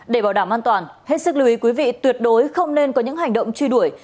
để bảo đảm an toàn hết sức lưu ý quý vị tuyệt đối không nên có những hành động truy đuổi